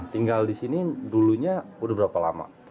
tinggal di sini dulunya udah berapa lama